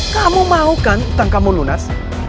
kamu mau kan hutang kamu lunas